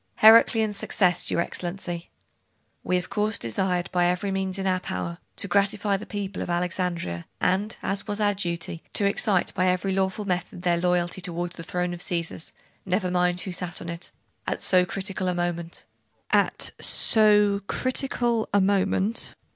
'Heraclian's success, your Excellency.' 'We of course desired, by every means in our power, to gratify the people of Alexandria, and, as was our duty, to excite by every lawful method their loyalty toward the throne of the Caesars (never mind who sat on it) at so critical a moment.' 'So critical a moment....